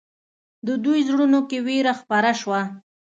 د دوی زړونو کې وېره خپره شوه.